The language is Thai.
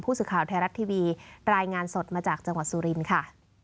สื่อข่าวไทยรัฐทีวีรายงานสดมาจากจังหวัดสุรินทร์ค่ะ